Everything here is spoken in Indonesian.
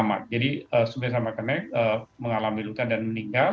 kemudian ada tiga orang di bag selamat jadi sopir sama kene mengalami luka dan meninggal